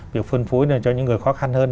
việc phân phối cho những người khó khăn hơn